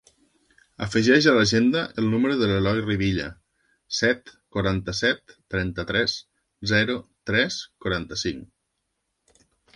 Afegeix a l'agenda el número de l'Eloy Rivilla: set, quaranta-set, trenta-tres, zero, tres, quaranta-cinc.